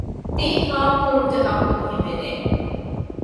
ދީން ހާމަކުރުމުގެ ޙައްޤު ހިމެނޭ